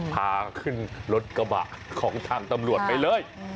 พาขึ้นรถกระบะของทางตำรวจไปเลย